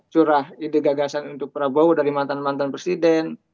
curah ide gagasan untuk prabowo dari mantan mantan presiden